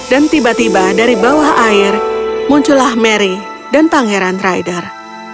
dan tiba tiba dari bawah air muncullah mary dan tangeran ryder